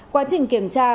quá trình kiểm tra